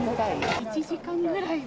１時間ぐらいは。